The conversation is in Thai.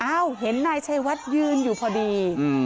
เห็นนายชัยวัดยืนอยู่พอดี